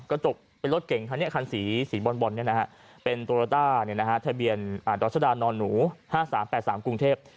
กระจกเป็นรถเก่งค่ะนี่คันสีบอนเป็นตัวละต้าทะเบียนดรนหนู๕๓๘๓กรุงเทพ